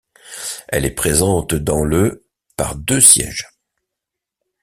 Elle est présente dans le par deux sièges.